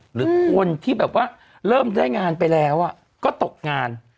หรือคนที่แบบว่าเริ่มได้งานไปแล้วก็ตกงาน